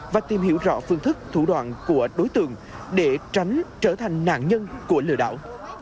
và tìm hiểu rõ phương thức thủ đoạn của đối tượng để tránh trở thành nạn nhân của lừa đảo